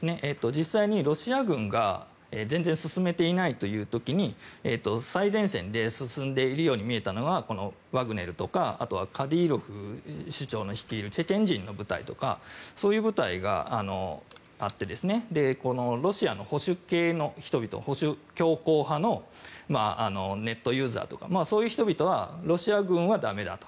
実際にロシア軍が全然進めていないという時に最前線で進んでいるように見えたのはワグネルとかカディロフ首長の率いるチェチェン人の部隊とかそういう部隊があってロシアの保守系の人々保守強硬派のネットユーザーとかそういう人々はロシア軍はだめだと。